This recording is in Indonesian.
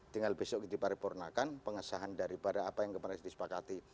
tinggal besok diparipurnakan pengesahan daripada apa yang kemarin disepakati